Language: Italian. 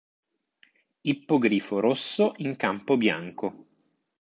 Ippogrifo rosso in campo bianco.